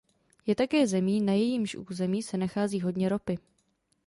Je také zemí, na jejímž území se nachází hodně ropy.